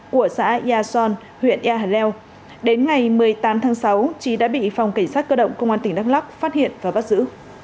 của xã ya son huyện ya hà leo đến ngày một mươi tám tháng sáu chí đã bị phòng cảnh sát cơ động công an tp đắk lóc phát hiện và bắt giữ